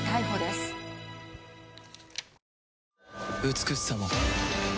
美しさも